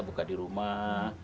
buka di rumah